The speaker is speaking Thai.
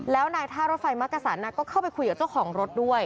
แล้วนายท่ารถไฟมักกษันก็เข้าไปคุยกับเจ้าของรถด้วย